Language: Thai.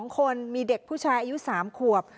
๒คนมีเด็กผู้ชายอายุ๓ขวบ